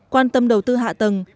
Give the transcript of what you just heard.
quan tâm đầu tư hạ tầng